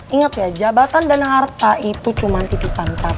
ingat ya jabatan dan harta itu cuma titipan